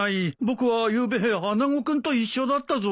僕はゆうべ穴子君と一緒だったぞ。